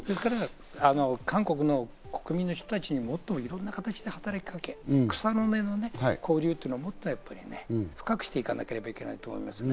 韓国の国民の人たちにもっといろんな形で働きかけ、草の根の交流というのをもっとやっぱりね、深くしていかなければいけないと思いますね。